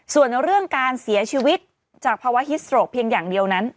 ส่วนเรื่องการเสียชีวิตจากภาวะฮิสโตรกเพียงอย่างเดียวนั้น